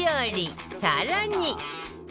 更に